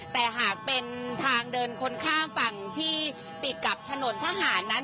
แต่หากเป็นทางเดินคนข้ามฝั่งที่ติดกับถนนทหารนั้น